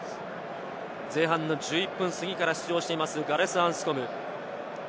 前半の１１分過ぎから出場しているガレス・アンスコム。